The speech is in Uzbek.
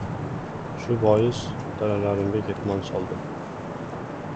Bu bois, dalalarimga ketmon soldim.